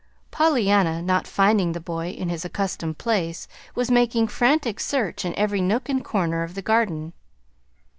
(Pollyanna, not finding the boy in his accustomed place, was making frantic search in every nook and corner of the Garden.